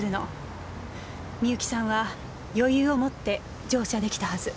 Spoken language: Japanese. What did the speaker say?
みゆきさんは余裕を持って乗車できたはず。